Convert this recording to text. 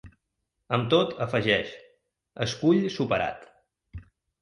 Amb tot, afegeix: Escull superat.